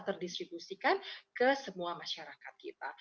terdistribusikan ke semua masyarakat kita